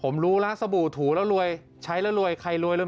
ผมรู้แล้วสบู่ถูแล้วรวยใช้แล้วรวยใครรวยแล้ว